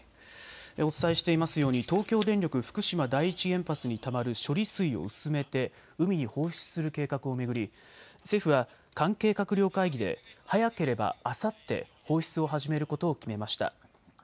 お伝えしていますように東京電力福島第一原発にたまる処理水を薄めて海に放出する計画を巡り政府は関係閣僚会議で早ければあさって放出を始めることを決めました。